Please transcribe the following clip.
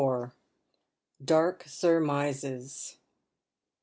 DABK SURMISES.